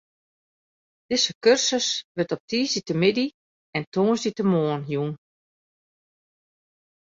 Dizze kursus wurdt op tiisdeitemiddei en tongersdeitemoarn jûn.